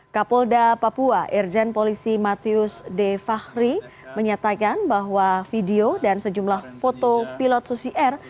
kapolda papua irjen polisi matius d fahri menyatakan bahwa video dan sejumlah foto pilot susi air